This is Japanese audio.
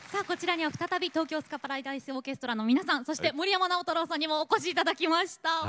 こちらには再び東京スカパラダイスオーケストラの皆さんと森山直太朗さんにお越しいただきました。